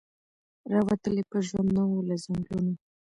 را وتلی په ژوند نه وو له ځنګلونو